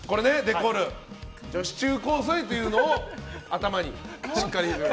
女子中高生というのを頭にしっかり入れて。